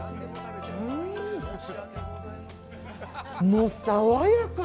もう爽やか！